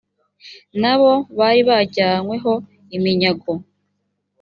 nabo bari bajyanywe ho iminyago.